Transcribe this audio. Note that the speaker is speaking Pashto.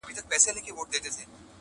حجره سته طالب یې نسته-